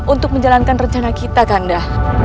untuk menjalankan rencana kita kanda